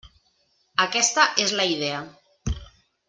Aquesta és la idea.